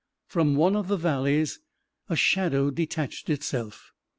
. From one of the valleys, a shadow detached it self